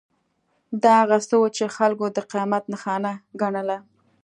دا هغه څه وو چې خلکو د قیامت نښانه ګڼله.